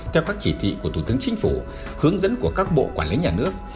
theo các chỉ thị của thủ tướng chính phủ hướng dẫn của các bộ quản lý nhà nước